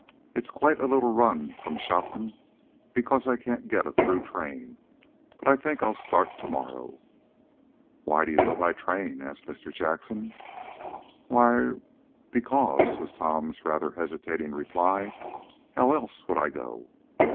"It's quite a little run from Shopton, because I can't get a through train. But I think I'll start tomorrow." "Why do you go by train?" asked Mr. Jackson. "Why er because " was Tom's rather hesitating reply. "How else would I go?"